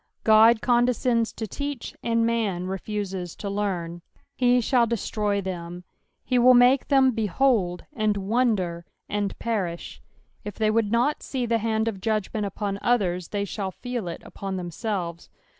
Ood condescends to teach, and man refuses to learn. " 3e thaR dettroy thtm :" he will make them " be hold, and wonder, and perish." If they would not see the hand of judgment upon others, they shall feel it upon themseWes.